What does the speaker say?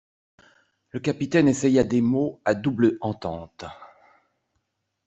Le capitaine essaya des mots à double entente.